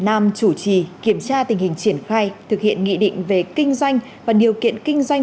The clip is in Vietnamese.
nam chủ trì kiểm tra tình hình triển khai thực hiện nghị định về kinh doanh và điều kiện kinh doanh